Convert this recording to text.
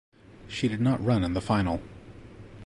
She did not run in the final.